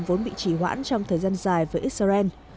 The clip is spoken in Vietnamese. vốn bị chỉ hoãn trong thời gian dài với israel